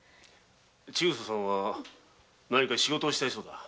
千草さんは仕事をしたいそうだ。